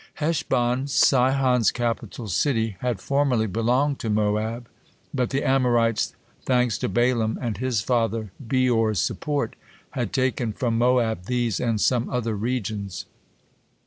Heshbon, Sihon's capital city, had formerly belonged to Moab; but the Amorites, thanks to Balaam and his father Beor's support, had taken from Moab these and some other regions.